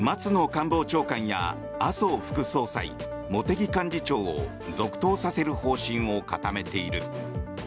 官房長官や麻生副総裁茂木幹事長を続投させる方針を固めている。